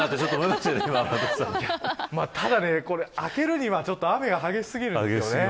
ただ明けるには雨が激しすぎるんですよね。